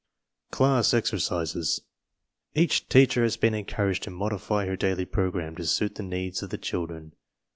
CLASS EXERCISES Each teacher has been encouraged to modify her daily program to suit the needs of the children.